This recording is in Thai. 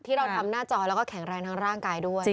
ที่เราทำหน้าจอแล้วก็แข็งแรงทั้งร่างกายด้วย